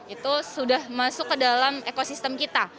itu sudah masuk ke dalam ekosistem kita